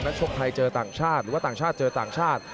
ชกไทยเจอต่างชาติหรือว่าต่างชาติเจอต่างชาติ